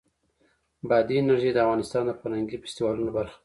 بادي انرژي د افغانستان د فرهنګي فستیوالونو برخه ده.